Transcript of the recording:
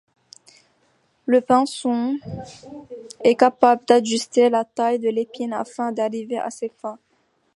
Le pinson est capable d'ajuster la taille de l'épine afin d'arriver à ses fins.